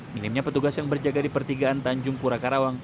minimnya petugas yang berjaga di pertigaan tanjung pura karawang